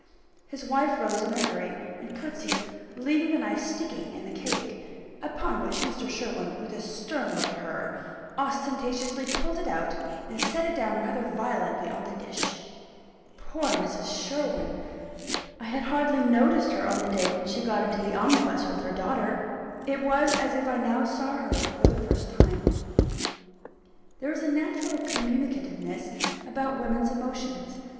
His wife rose in a hurry, and curtseyed, leaving the knife sticking in the cake; upon which Mr. Sherwin, with a stern look at her, ostentatiously pulled it out, and set it down rather violently on the dish. Poor Mrs. Sherwin! I had hardly noticed her on the day when she got into the omnibus with her daughter it was as if I now saw her for the first time. There is a natural communicativeness about women's emotions.